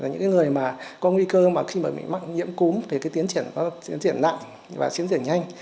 những người có nguy cơ khi bị mắc nhiễm cúm thì tiến triển nặng và tiến triển nhanh